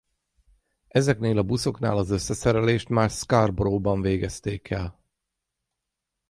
Ezeknél a buszoknál az összeszerelést már Scarboroughban végezték el.